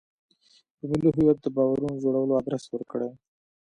په ملي هویت د باورونو جوړولو ادرس ورکړي.